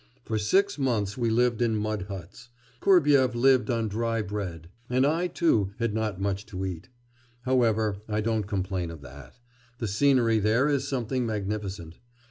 For six months we lived in mud huts. Kurbyev lived on dry bread, and I, too, had not much to eat. However, I don't complain of that; the scenery there is something magnificent.